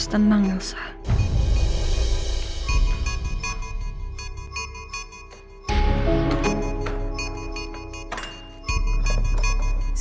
tidak ada yang bisa diberikan kepadamu